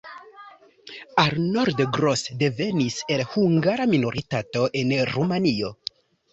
Arnold Gross devenis el hungara minoritato en Rumanio.